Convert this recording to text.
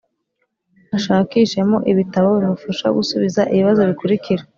ashakishemo ibitabo bimufasha gusubiza ibibazo bikurikira.